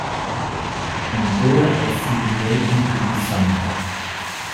And there I see him waiting to be summoned.